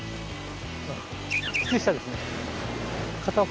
靴下ですね。